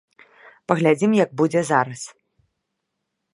Паглядзім як будзе зараз.